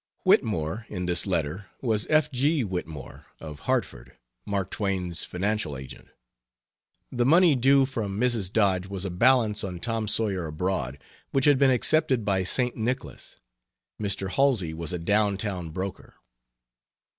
"Whitmore," in this letter, was F. G. Whitmore, of Hartford, Mark Twain's financial agent. The money due from Mrs. Dodge was a balance on Tom Sawyer Abroad, which had been accepted by St. Nicholas. Mr. Halsey was a down town broker.